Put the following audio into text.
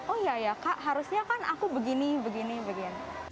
oh iya ya kak harusnya kan aku begini begini begini